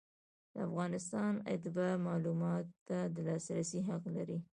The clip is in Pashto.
د افغانستان اتباع معلوماتو ته د لاسرسي حق لري.